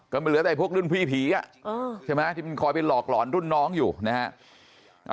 ก็มันเหลือแต่พวกรุ่นพี่ผีใช่ไหมที่มันคอยไปหลอกหลอนรุ่นน้องอยู่นะฮะ